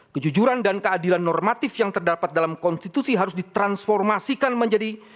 kejujuran dan keadilan normatif yang terdapat dalam konstitusi harus ditransformasikan menjadi